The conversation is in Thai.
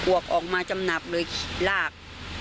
วกออกมาจำหนับเลยลาก